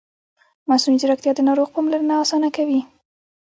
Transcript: مصنوعي ځیرکتیا د ناروغ پاملرنه اسانه کوي.